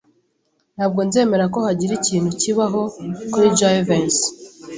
Ntabwo nzemera ko hagira ikintu kibaho kuri Jivency.